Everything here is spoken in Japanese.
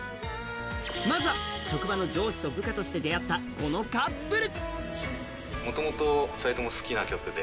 まずは、職場の上司と部下として出会ったこのカップル。